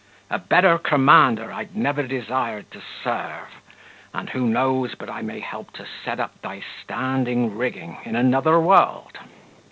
A better commander I'd never desire to serve; and who knows but I may help to set up thy standing rigging in another world?"